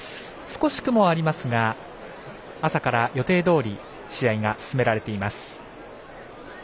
少し雲がありますが朝から予定どおり試合が進められています。